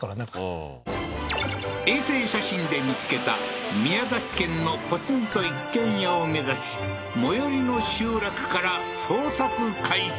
うん衛星写真で見つけた宮城県のポツンと一軒家を目指し最寄りの集落から捜索開始